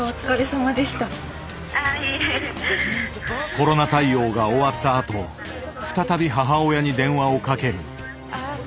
コロナ対応が終わったあと再び母親に電話をかける。